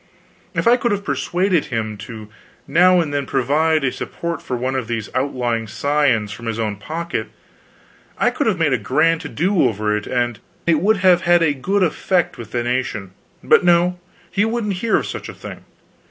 If I could have persuaded him to now and then provide a support for one of these outlying scions from his own pocket, I could have made a grand to do over it, and it would have had a good effect with the nation; but no, he wouldn't hear of such a thing.